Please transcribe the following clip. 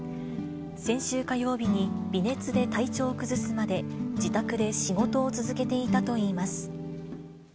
先週火曜日に微熱で体調を崩すまで、自宅で仕事を続けていたといいます。